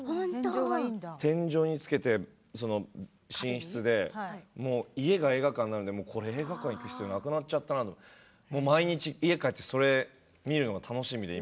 天井につけて寝室で家が映画館になるので映画館に行く必要がなくなっちゃったのと毎日家に帰ってそれ見るのが楽しみで。